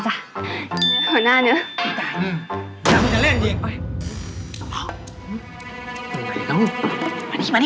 มานี่